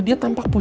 siap pak bos